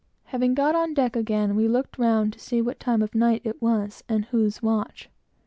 Having got on deck again, we looked round to see what time of night it was, and whose watch.